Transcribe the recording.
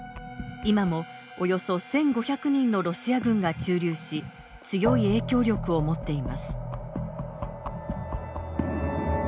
今も、およそ１５００人のロシア軍が駐留し強い影響力を持っています。